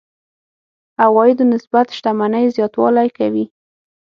عوایدو نسبت شتمنۍ زياتوالی کوي.